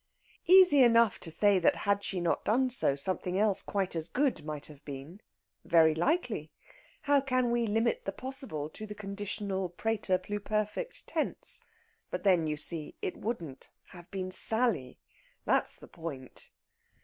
Easy enough to say that, had she not done so, something else quite as good might have been. Very likely. How can we limit the possible to the conditional præter pluperfect tense? But then, you see, it wouldn't have been Sally! That's the point.